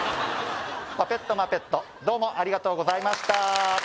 「パペットマペットどうもありがとうございました」